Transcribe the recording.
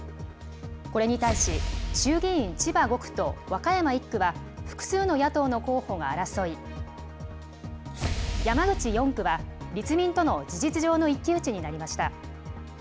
これに対し、衆議院千葉５区と和歌山１区は、複数の野党の候補が争い、山口４区は立民との事実上の一騎打ちとなりました。